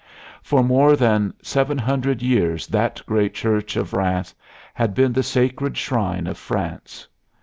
For more than seven hundred years that great church of Rheims had been the sacred shrine of France.